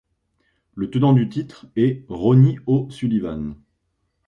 Le tenant du titre est Ronnie O'Sullivan.